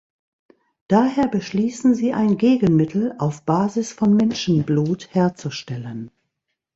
Daher beschließen sie ein Gegenmittel auf Basis von Menschenblut herzustellen.